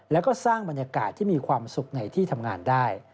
แล้วก็สร้างบรรยากาศที่มีความสุขในที่ทำงานได้